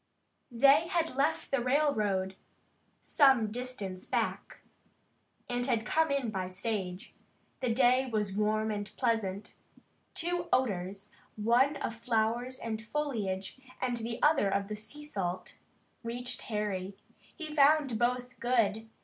They had left the railroad some distance back, and had come in by stage. The day was warm and pleasant. Two odors, one of flowers and foliage, and the other of the salt sea, reached Harry. He found both good.